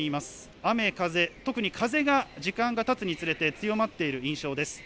雨、風、特に風が時間がたつにつれて強まっている印象です。